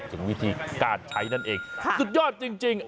ถึงวิธีการใช้นั่นเองสุดยอดจริง